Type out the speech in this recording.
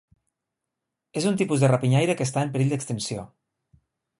És un tipus de rapinyaire que està en perill d'extinció.